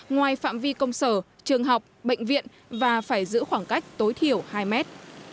ngoài phạm vi công sở trường học bệnh viện và phải giữ khoảng cách tối thiểu hai mét